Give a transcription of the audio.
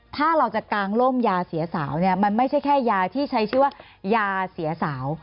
ถ้าเราจะกางล่มยาเสียสาวเนี่ยมันไม่ใช่แค่ยาที่ใช้ชื่อว่ายาเสียสาว